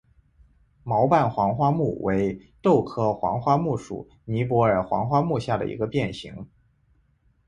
毛瓣黄花木为豆科黄花木属尼泊尔黄花木下的一个变型。